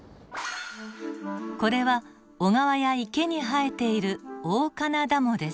これは小川や池に生えているオオカナダモです。